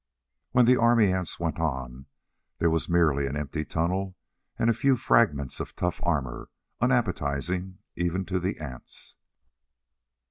When the army ants went on there were merely an empty tunnel and a few fragments of tough armor, unappetizing even to the ants.